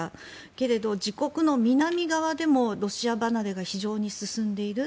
けれど、自国の南側でもロシア離れが非常に進んでいる。